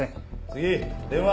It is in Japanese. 次電話。